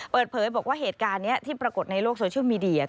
เปิดเผยบอกว่าเหตุการณ์นี้ที่ปรากฏในโลกโซเชียลมีเดีย